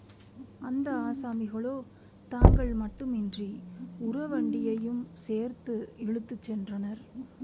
அந்த ஆசாமிகளோ, தாங்கள் மட்டுமின்றி உரவண்டியையும் சேர்த்து இழுத் துச்சென்றனர்.